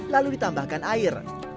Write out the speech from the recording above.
lalu ditambahkan air